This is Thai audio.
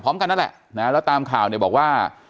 พร้อมกันนั่นแหละนะแล้วตามข่าวเนี่ยบอกว่า